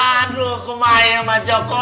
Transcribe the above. aduh kemahin ya mas joko